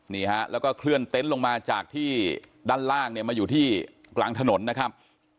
นี่ฮะแล้วก็เคลื่อนเต็นต์ลงมาจากที่ด้านล่างเนี่ยมาอยู่ที่กลางถนนนะครับ